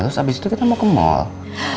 terus abis itu kita mau ke mal